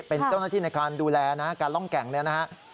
เป็นเจ้าหน้าที่ในการดูแลนะการร่องแก่งเนี่ยนะฮะ